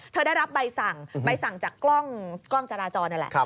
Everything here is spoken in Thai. ได้รับใบสั่งใบสั่งจากกล้องจราจรนั่นแหละ